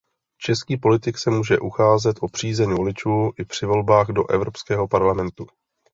Český politik se může ucházet o přízeň voličů i při volbách do Evropského parlamentu.